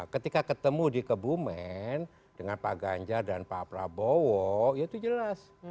ketika ketemu di kebumen dengan pak ganjar dan pak prabowo ya itu jelas